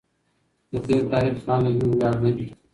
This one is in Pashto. د تېر تاریخ پانګه زموږ ویاړ دی.